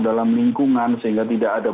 dalam lingkungan sehingga tidak ada